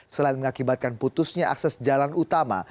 selain mengakibatkan putusnya akses jalan utama